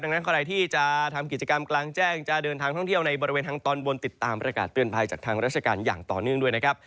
ดังนั้นใครที่จะทำกิจกรรมกลางแจ้งจะเดินทางท่องเที่ยวในบริเวณทางตอนบนติดตามประกาศเตือนภัยจากทางราชการอย่างต่อเนื่องด้วยนะครับ